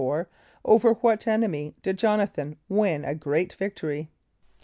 = Over what enemies did J[)o]n´a than win a great victory?